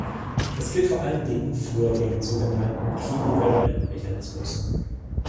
Das gilt vor allen Dingen für den sogenannten clean-development-Mechanismus.